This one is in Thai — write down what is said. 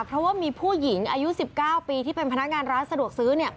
เพราะว่ามีผู้หญิงอายุ๑๙ปีที่เป็นพนักงานร้านสะดวกซื้อ